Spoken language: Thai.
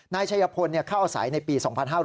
นายชัยพลเข้าอาศัยในปี๒๕๕๙